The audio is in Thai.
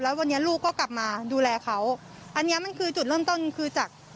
แล้ววันนี้ลูกก็กลับมาดูแลเขาอันเนี้ยมันคือจุดเริ่มต้นคือจาก